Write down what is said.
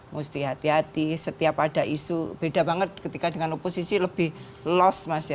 mesti hati hati setiap ada isu beda banget ketika dengan oposisi lebih loss mas ya